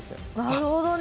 なるほどね。